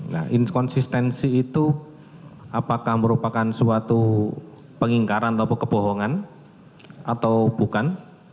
nah inkonsistensi itu apakah merupakan suatu pengingkaran atau kebohongan atau bukan